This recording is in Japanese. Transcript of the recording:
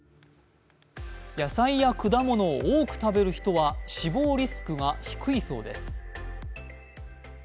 野菜や果物を多く食べる人は死亡リスクが低いそうです。